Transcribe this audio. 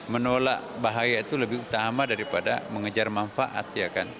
menolak bahaya itu lebih utama daripada mengejar manfaat